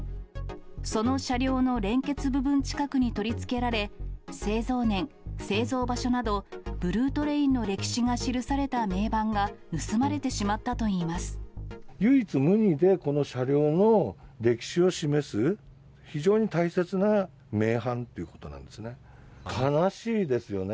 その車両の連結部分近くに取り付けられ、製造年、製造場所など、ブルートレインの歴史が記された銘板が、盗まれてしまったといい唯一無二で、この車両の歴史を示す、非常に大切な銘板ということなんですよね。